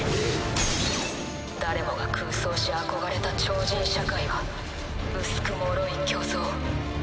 誰もが空想し憧れた超人社会は薄く脆い虚像。